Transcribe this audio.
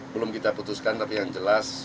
belum kita putuskan tapi yang jelas